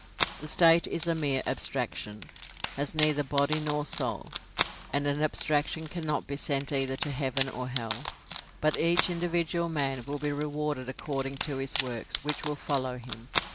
The State is a mere abstraction, has neither body nor soul, and an abstraction cannot be sent either to heaven or hell. But each individual man will be rewarded according to his works, which will follow him.